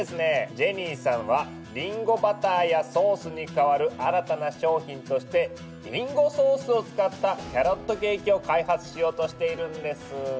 ジェニーさんはリンゴバターやソースに代わる新たな商品としてリンゴソースを使ったキャロットケーキを開発しようとしているんです。